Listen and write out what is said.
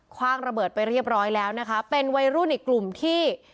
คว่างระเบิดไปเรียบร้อยแล้วนะคะเป็นวัยรุ่นอีกกลุ่มที่